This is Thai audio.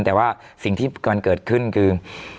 แต่ว่าสิ่งที่มันเกิดขึ้นคือ